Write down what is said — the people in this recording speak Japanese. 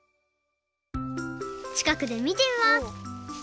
ちかくでみてみます